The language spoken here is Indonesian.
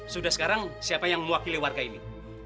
sudah sekarang siapa yang mewakili warga ini